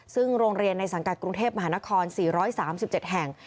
ซึ่งโรงเรียนในสังกัดกรุงเทพมหานคร๔๓๗แห่ง